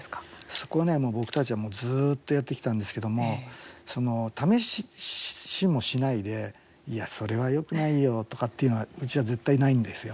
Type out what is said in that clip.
そこはね、僕たちはずっとやってきたんですけども試しもしないでいや、それはよくないよとかっていうのはうちは絶対ないんですよ。